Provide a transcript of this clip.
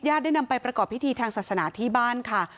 ได้นำไปประกอบพิธีทางศาสนาที่บ้านค่ะ